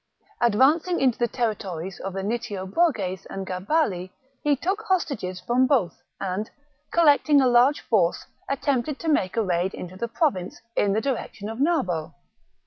Advancing into the territories of the Nitiobroges and Gabali, he took hostages from both, and, collecting a large force, attempted to make a raid into the Province, in the direction of Narbo.